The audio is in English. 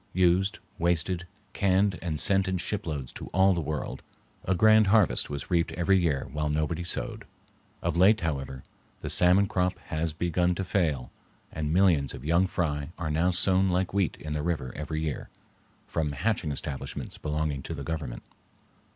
Used, wasted, canned and sent in shiploads to all the world, a grand harvest was reaped every year while nobody sowed. Of late, however, the salmon crop has begun to fail, and millions of young fry are now sown like wheat in the river every year, from hatching establishments belonging to the Government.